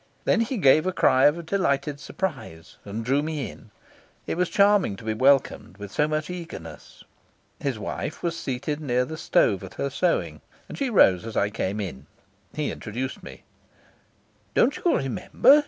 Then he gave a cry of delighted surprise and drew me in. It was charming to be welcomed with so much eagerness. His wife was seated near the stove at her sewing, and she rose as I came in. He introduced me. "Don't you remember?"